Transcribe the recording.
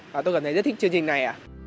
và tôi cảm thấy rất thích chương trình này